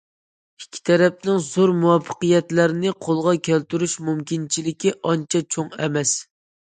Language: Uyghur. ئىككى تەرەپنىڭ زور مۇۋەپپەقىيەتلەرنى قولغا كەلتۈرۈش مۇمكىنچىلىكى ئانچە چوڭ ئەمەس.